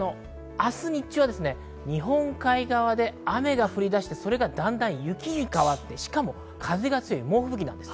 明日日中は日本海側で雨が降り出して、それがだんだんと雪に変わって、しかも風が強い猛吹雪です。